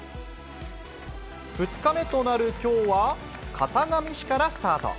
２日目となるきょうは、潟上市からスタート。